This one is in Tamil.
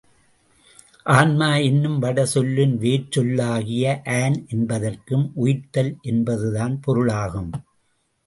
ஆன்மா என்னும் வட சொல்லின் வேர்ச் சொல்லாகிய ஆன் என்பதற்கும் உயிர்த்தல் என்பதுதான் பொருளாகும்.